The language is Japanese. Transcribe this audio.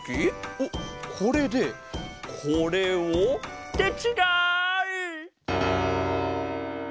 おっこれでこれを？ってちがう！